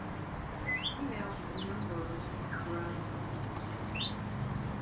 Females and young birds have browner upperparts.